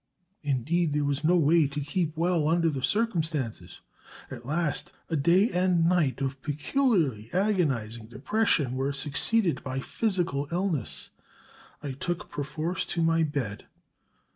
"Indeed there was no way to keep well under the circumstances. At last a day and night of peculiarly agonising depression were succeeded by physical illness; I took perforce to my bed.